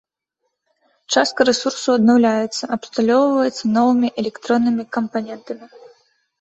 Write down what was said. Частка рэсурсу аднаўляецца, абсталёўваецца новымі электроннымі кампанентамі.